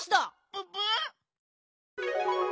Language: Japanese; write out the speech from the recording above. ププ！